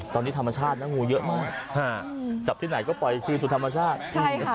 ตอนนี้ธรรมชาตินะงูเยอะมากจับที่ไหนก็ปล่อยคืนสู่ธรรมชาติ